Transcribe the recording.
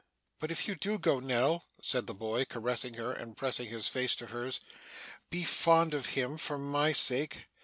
But if you do go, Nell,' said the boy, caressing her, and pressing his face to hers, 'be fond of him for my sake.